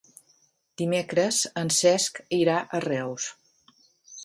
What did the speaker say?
Dimecres en Cesc irà a Reus.